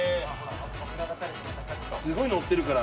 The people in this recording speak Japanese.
すごいのってるから。